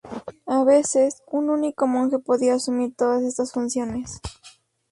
A veces, un único monje podía asumir todas estas funciones.